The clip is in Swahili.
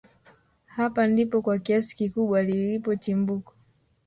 hapa ndipo kwa kiasi kikubwa lilipo chimbuko